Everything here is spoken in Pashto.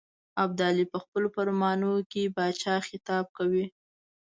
ابدالي په خپلو فرمانونو کې پاچا خطاب کوي.